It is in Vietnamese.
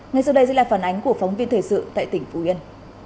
ngay sau đây sẽ là phản ánh của phóng viên thời sự tại tỉnh phú yên